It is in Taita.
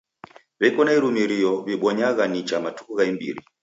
W'eko na irumirio w'ibonyagha nicha matuku gha imbiri.